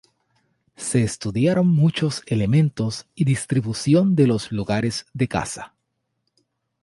Se estudiaron muchos elementos y distribución de los lugares de caza.